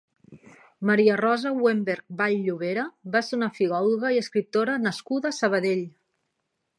Maria-Rosa Wennberg Ball-llovera va ser una filòloga i escriptora nascuda a Sabadell.